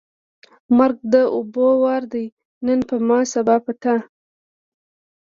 ـ مرګ د اوبو وار دی نن په ما ، سبا په تا.